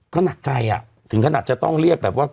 ก็หนักใจอ่ะถึงขนาดจะต้องเรียกแบบว่า